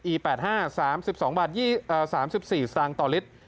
อีแปดห้าสามสิบสองบาทยี่เอ่อสามสิบสี่สตางต่อลิตร